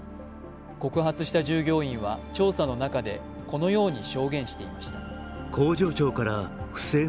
告発した従業員は、調査の中でこのように証言していました。